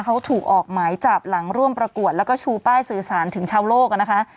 เขาถูกออกหมายจับหลังร่วมประกวดแล้วก็ชูป้ายสื่อสารถึงชาวโลกนะคะ